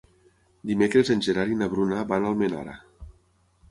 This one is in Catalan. Dimecres en Gerard i na Bruna van a Almenara.